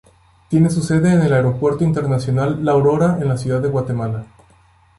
Tiene su sede en el Aeropuerto Internacional La Aurora en la Ciudad de Guatemala.